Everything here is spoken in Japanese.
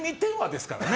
ですからね。